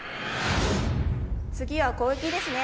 次は攻撃ですね。